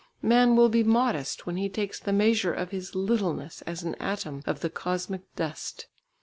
Man will be modest when he takes the measure of his littleness as an atom of the cosmic dust.